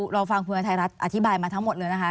เราฟังคุณอาทิบายมาทั้งหมดเลยนะคะ